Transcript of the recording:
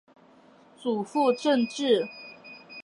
祖父郑肇。